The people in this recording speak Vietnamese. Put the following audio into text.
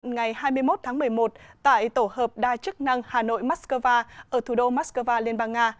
ngày hai mươi một tháng một mươi một tại tổ hợp đa chức năng hà nội mắc cơ va ở thủ đô mắc cơ va liên bang nga